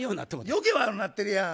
余計悪ぅなってるやん。